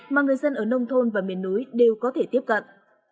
mà người dân ở nông thôn và miền núi đều có thể tiếp cận